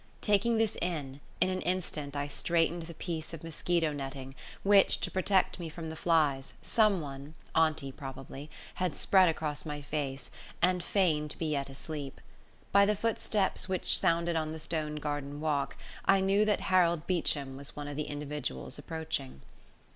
Taking this in, in an instant I straightened the piece of mosquito netting, which, to protect me from the flies, someone auntie probably had spread across my face, and feigned to be yet asleep. By the footsteps which sounded on the stoned garden walk, I knew that Harold Beecham was one of the individuals approaching.